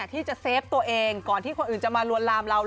ที่จะเซฟตัวเองก่อนที่คนอื่นจะมาลวนลามเรา